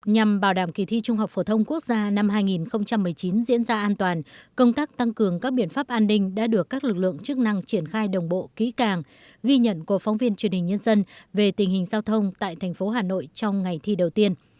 nhằm bảo đảm kỳ thi trung học phổ thông quốc gia năm hai nghìn một mươi chín diễn ra an toàn công tác tăng cường các biện pháp an ninh đã được các lực lượng chức năng triển khai đồng bộ ký càng ghi nhận của phóng viên truyền hình nhân dân về tình hình giao thông tại thành phố hà nội trong ngày thi đầu tiên